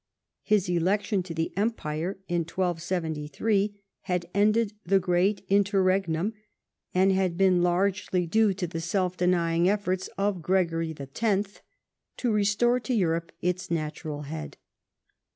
His election to the Empire in 1273 had ended the Great Interregnum, and had Ijceii largelj' due to the self denying efforts of Gregory X. to restore to Europe its natural head.